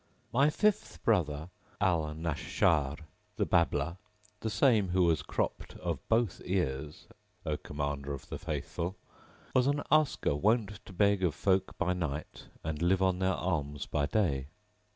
My fifth brother, Al Nashshár,[FN#659] the Babbler, the same who was cropped of both ears, O Commander of the Faithful, was an asker wont to beg of folk by night and live on their alms by day.